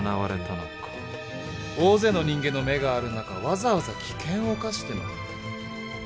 大勢の人間の目がある中わざわざ危険を冒してまで？